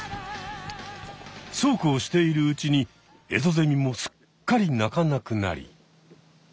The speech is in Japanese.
そうこうしているうちにエゾゼミもすっかり鳴かなくなり。